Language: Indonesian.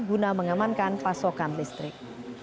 guna mengamankan pasokan listrik